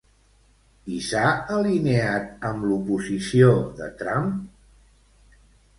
I s'ha alineat amb l'oposició de Trump?